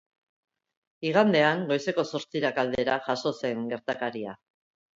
Igandean, goizeko zortzirak aldera, jazo zen gertakaria.